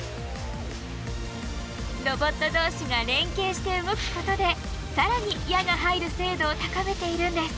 ロボット同士が連携して動くことでさらに矢がはいる精度を高めているんです。